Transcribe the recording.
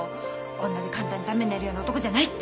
女で簡単に駄目になるような男じゃないって。